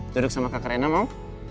duduk sama kak rena mau